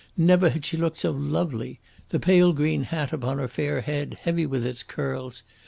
Never had she looked so lovely. The pale green hat upon her fair head heavy with its curls!